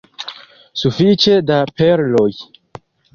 Sufiĉe da perloj?